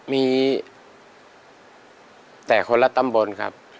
มีแต่คนละตำบลครับ